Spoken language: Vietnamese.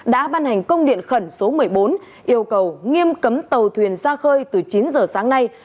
đã ban hành công điện khẩn số một mươi bốn yêu cầu nghiêm cấm tàu thuyền ra khơi từ chín giờ sáng nay